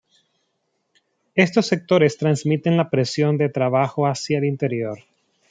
Estos sectores transmiten la presión de trabajo hacia el interior.